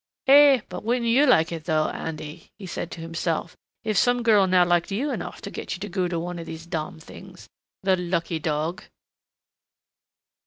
"Eh, but wouldn't you like it, though, Andy," he said to himself, "if some girl now liked you enough to get you to go to one of those damned things.... The lucky dog!"